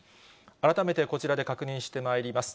改めてこちらで確認してまいります。